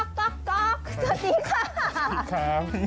สวัสดีครับ